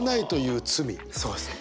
そうですね。